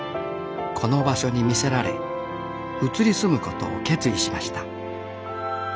この場所に魅せられ移り住むことを決意しました